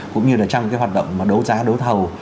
cũng như là trong cái hoạt động đấu giá đấu thầu